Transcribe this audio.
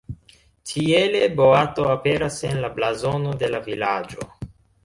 Tiele boato aperas en la blazono de la vilaĝo.